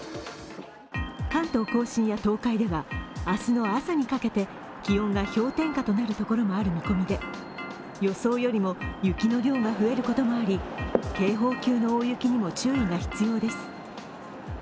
関東甲信や東海では明日の朝にかけて気温が氷点下となるところもある見込みで予想よりも雪の量が増えることもあり、警報級の大雪にも注意が必要です。